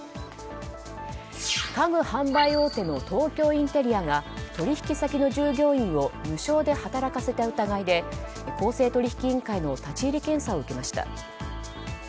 家具販売大手の東京インテリアが取引先の従業員を無償で働かせた疑いで公正取引委員会の立ち入り検査を受けました。